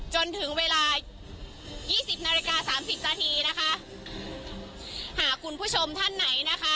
จนถึงเวลายี่สิบนาฬิกาสามสิบนาทีนะคะหากคุณผู้ชมท่านไหนนะคะ